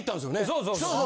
そうそう。